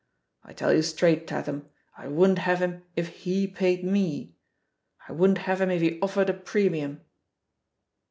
I tell you straight, Tatham, I wouldn't have him if he paid me, I wouldn't have him if he offered a pre mium."